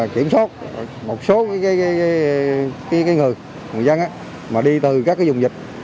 kiểm soát một số người dân mà đi từ các vùng dịch